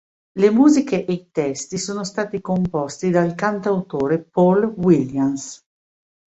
Le musiche e i testi sono stati composti dal cantautore Paul Williams.